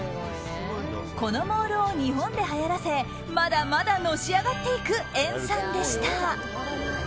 このモールを日本ではやらせまだまだ、のし上がっていくエンさんでした。